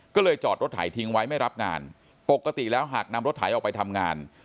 ก็เลยจอดรถไถทิ้งไว้ไม่รับงานปกติแล้วหากนำรถไถออกไปทำงาน